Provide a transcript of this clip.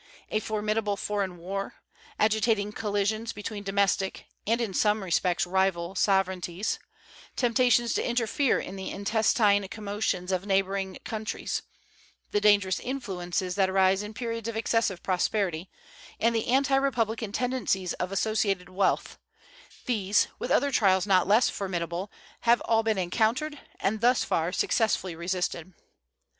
A formidable foreign war; agitating collisions between domestic, and in some respects rival, sovereignties; temptations to interfere in the intestine commotions of neighboring countries; the dangerous influences that arise in periods of excessive prosperity, and the antirepublican tendencies of associated wealth these, with other trials not less formidable, have all been encountered, and thus far successfully resisted.